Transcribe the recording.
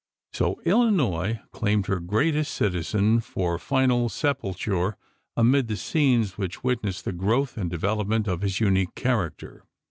So Illinois claimed her greatest citizen for final sepulture amid the scenes which witnessed the growth and development of his unique character.